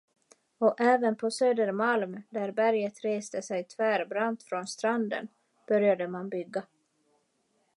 Och även på Södermalm, där berget reste sig tvärbrant från stranden, började man bygga.